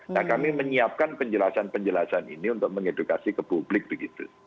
nah kami menyiapkan penjelasan penjelasan ini untuk mengedukasi ke publik begitu